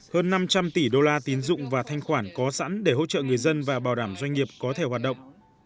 hơn năm trăm linh tỷ đô la tín dụng và thanh khoản có sẵn để hỗ trợ người dân và bảo đảm doanh nghiệp có thể hoạt động